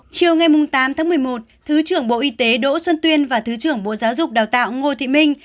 chưa ngay mùng tám tháng một mươi một thứ trưởng bộ y tế đỗ xuân tuyên và thứ trưởng bộ giáo dục đào tạo ngô thị minh